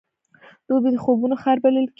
دوبی د خوبونو ښار بلل کېږي.